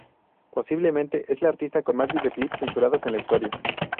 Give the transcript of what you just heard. Posiblemente, es la artista con más videoclips censurados en la historia.